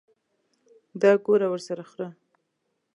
دا ګوړه ورسره خوره.